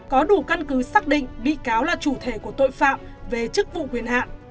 có đủ căn cứ xác định bị cáo là chủ thể của tội phạm về chức vụ quyền hạn